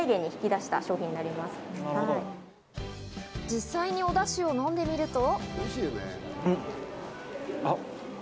実際におだしを飲んでみると。